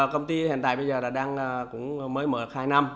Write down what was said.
công ty hiện tại bây giờ là đang cũng mới mở khai năm